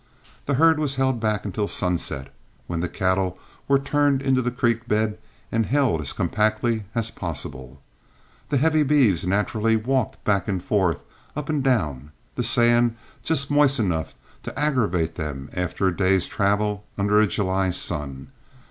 The herd was held back until sunset, when the cattle were turned into the creek bed and held as compactly as possible. The heavy beeves naturally walked back and forth, up and down, the sand just moist enough to aggravate them after a day's travel under a July sun.